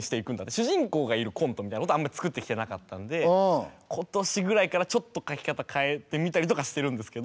主人公がいるコントみたいなことをあんまり作ってきてなかったんで今年ぐらいからちょっと書き方変えてみたりとかしてるんですけど。